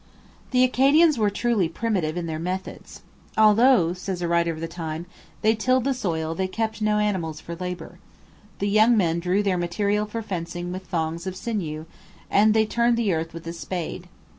The Acadians were truly primitive in their methods. 'Although,' says a writer of the time, 'they tilled the soil they kept no animals for labour. The young men drew their material for fencing with thongs of sinew, and they turned the earth with a spade.